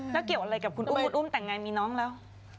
ระเกี่ยวอะไรกับคุณอุ่มอุ้มแต่งไงมีน้องแล้ว